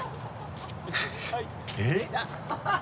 えっ？